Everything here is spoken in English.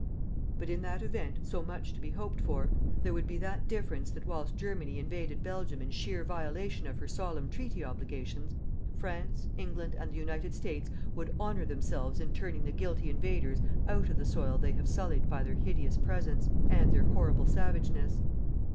But in that event, so much to be hoped for, there would be that difference that whilst Germany invaded Belgium in sheer violation of her solemn treaty obligations, France, England and the United States would honour themselves in turning the guilty invaders out of the soil they have sullied by their hideous presence and their horrible savageness.